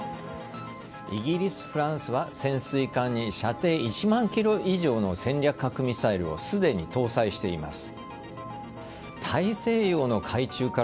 イギリス、フランスは潜水艦に射程１万ｋｍ以上の戦略核ミサイルをすでに搭載しています。